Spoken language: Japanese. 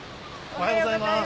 おはようございます。